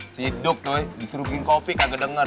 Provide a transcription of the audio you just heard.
si duk tuh disuruh bikin kopi kagak denger